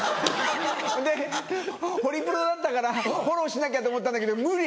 でホリプロだったからフォローしなきゃと思ったんだけど無理！